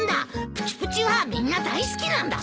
プチプチはみんな大好きなんだぞ。